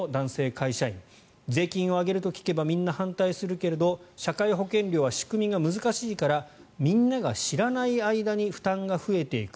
会社員税金を上げると聞けばみんな反対するけど社会保険料は仕組みが難しいからみんなが知らない間に負担が増えていく。